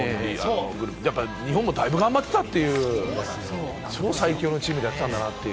グループに日本もだいぶ頑張ってたという最強のチームとやってたんだなって。